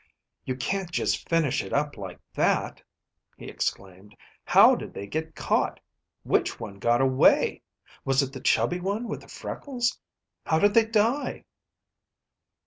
"You can't just finish it up like that," he exclaimed. "How did they get caught? Which one got away? Was it the chubby one with the freckles? How did they die?"